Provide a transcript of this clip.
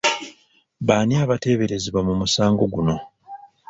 Baani abateeberezebwa mu musango guno?